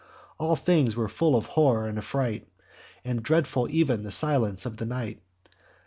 All things were full of horror and affright, And dreadful ev'n the silence of the night.